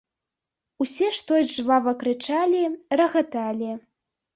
Усе штось жвава крычалі, рагаталі.